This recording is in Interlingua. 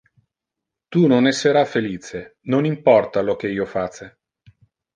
Tu non essera felice, non importa lo que io face.